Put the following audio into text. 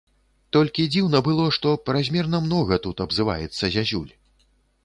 Толькі дзіўна было, што празмерна многа тут абзываецца зязюль.